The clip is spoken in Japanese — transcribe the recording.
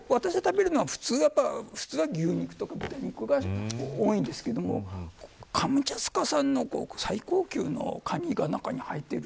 普通は牛肉とか豚肉が多いんですけどカムチャツカ産の最高級のカニが中に入っている。